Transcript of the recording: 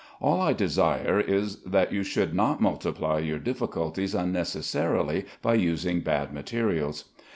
All I desire is that you should not multiply your difficulties unnecessarily by using bad materials.